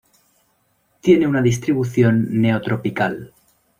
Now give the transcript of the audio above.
Tiene una distribución neotropical.